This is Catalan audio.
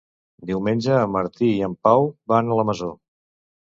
Diumenge en Martí i en Pau van a la Masó.